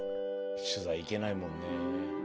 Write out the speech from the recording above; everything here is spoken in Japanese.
取材行けないもんね。